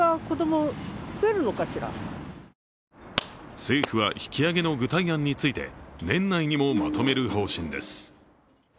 政府は引き上げの具体案について、年内にもまとめる方針です。